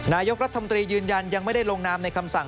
นายกรัฐมนตรียืนยันยังไม่ได้ลงนามในคำสั่ง